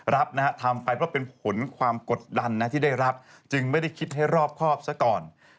รับนะฮะทำไปเพราะเป็นผลความกดดันนะที่ได้รับจึงไม่ได้คิดให้รอบครอบซะก่อน